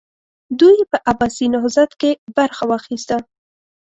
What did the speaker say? دوی په عباسي نهضت کې برخه واخیسته.